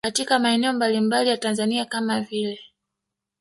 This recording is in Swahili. Katika maeneo mbalimbali ya Tanzania kama vile